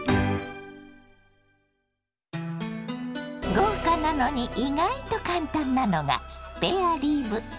豪華なのに意外と簡単なのがスペアリブ。